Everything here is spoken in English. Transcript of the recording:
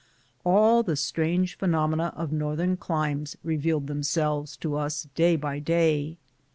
All the strange phenomena of northern climea revealed themselves to us day by day.